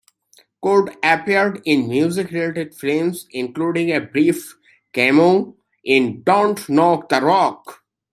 Cole appeared in music-related films, including a brief cameo in "Don't Knock the Rock".